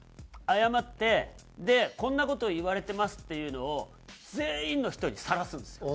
謝ってこんな事を言われてますっていうのを全員の人にさらすんです。